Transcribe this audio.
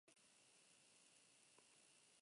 Ez duela benetan erabakitzeko balio?